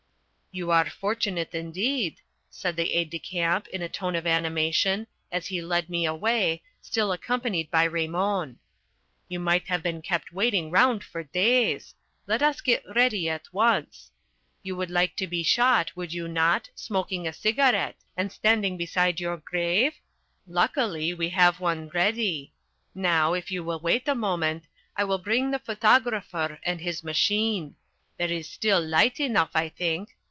"You are fortunate, indeed," said the aide de camp, in a tone of animation, as he led me away, still accompanied by Raymon. "You might have been kept waiting round for days. Let us get ready at once. You would like to be shot, would you not, smoking a cigarette, and standing beside your grave? Luckily, we have one ready. Now, if you will wait a moment, I will bring the photographer and his machine. There is still light enough, I think.